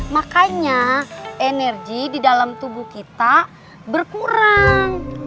makanya energi di dalam tubuh kita berkurang